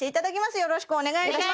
よろしくお願いします